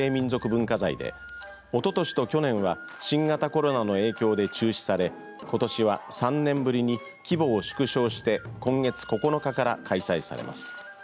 文化財でおととしと去年は新型コロナの影響で中止されことしは３年ぶりに規模を縮小して今月９日から開催されます。